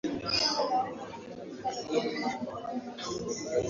mkuu wa nchi nchini humo akahudhuria katika tamasha hili